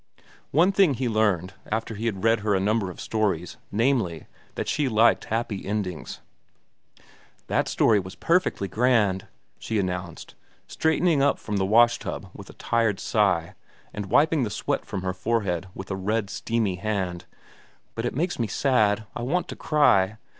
One thing he learned, after he had read her a number of stories, namely, that she liked happy endings. "That story was perfectly grand," she announced, straightening up from the wash tub with a tired sigh and wiping the sweat from her forehead with a red, steamy hand; "but it makes me sad. I want to cry.